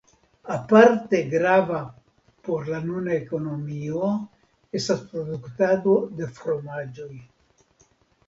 Aparte grava por la nuna ekonomio estas produktado de fromaĝoj.